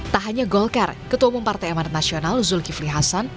tak hanya golkar ketua umum partai amanat nasional zulkifli hasan